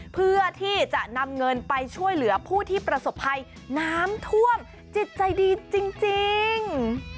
เพื่อที่จะนำเงินไปช่วยเหลือผู้ที่ประสบภัยน้ำท่วมจิตใจดีจริง